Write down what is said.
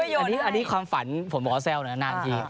อันนี้ความฝันผมบอกว่าแซวนะนานที